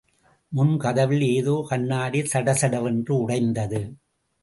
முன் கதவில் ஏதோ கண்ணாடி சட சட வென்று உடைந்தது!